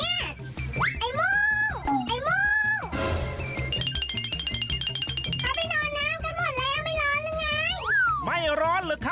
เขาไปนอนนั้นก็หมดแล้วไม่ร้อนหรือไง